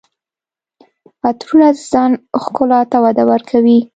عطرونه د ځان ښکلا ته وده ورکوي.